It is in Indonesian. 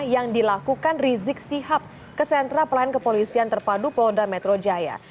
yang dilakukan rizik sihab ke sentra pelayanan kepolisian terpadu polda metro jaya